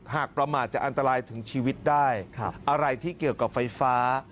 ประมาทจะอันตรายถึงชีวิตได้อะไรที่เกี่ยวกับไฟฟ้า